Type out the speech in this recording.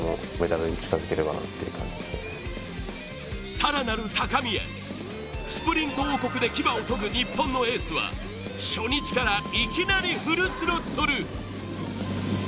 更なる高みへ、スプリント王国で牙を研ぐ日本のエースは初日からいきなりフルスロットル。